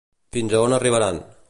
Fins a on arribaran?